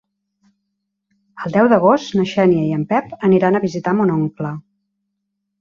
El deu d'agost na Xènia i en Pep aniran a visitar mon oncle.